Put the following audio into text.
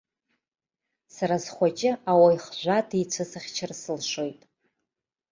Сара схәыҷы ауаҩ хжәа дицәысыхьчар сылшоит.